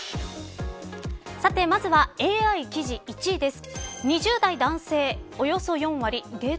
まずはＡＩの記事１位です。